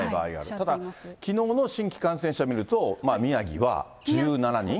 ただきのうの新規感染者を見ると、宮城は１７人？